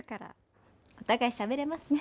お互いしゃべれますね。